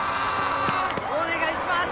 お願いします。